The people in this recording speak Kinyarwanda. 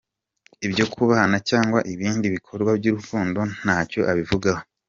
Ibyo kubana cyangwa ibindi bikorwa by’urukundo ntacyo abivugaho .